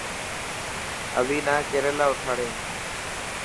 اوي تا ڪيريلا اوٺاڙيو.